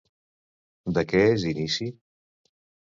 De què és inici?